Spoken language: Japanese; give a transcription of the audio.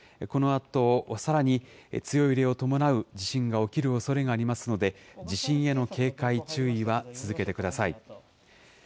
このあと、さらに強い揺れを伴う地震が起きるおそれがありますので、地震への警戒、注意は続けてください。